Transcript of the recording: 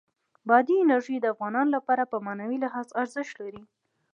بادي انرژي د افغانانو لپاره په معنوي لحاظ ارزښت لري.